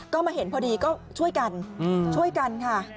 ก็มาเห็นพอดีก็ช่วยกันช่วยกันค่ะ